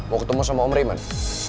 mau ketemu sama om reman